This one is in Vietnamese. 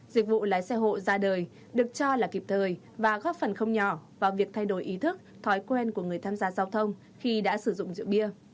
dịch vụ lái xe hộ ra đời được cho là kịp thời và góp phần không nhỏ vào việc thay đổi ý thức thói quen của người tham gia giao thông khi đã sử dụng rượu bia